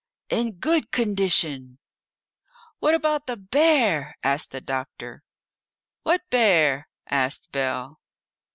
"In good condition." "What about the bear?" asked the doctor. "What bear?" asked Bell.